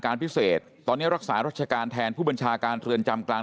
การพิเศษตอนนี้รักษารัชการแทนผู้บัญชาการเรือนจำกลาง